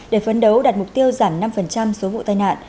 để phấn đấu đặt mục tiêu giảm năm số vụ tài nạn